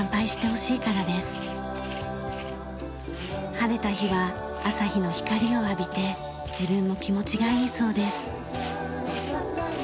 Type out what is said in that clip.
晴れた日は朝日の光を浴びて自分も気持ちがいいそうです。